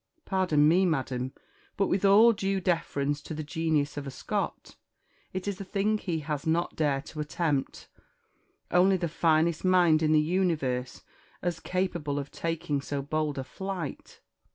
Pardon me, madam, but with all due deference to the genius of a Scott, it is a thing he has not dare to attempt. Only the finest mind in the universe as capable of taking so bold a flight.